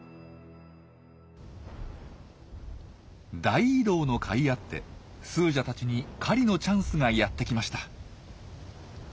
大移動のかいあってスージャたちに狩りのチャンスがやって来ました。